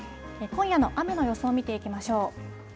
今夜の雨の予想、見ていきましょう。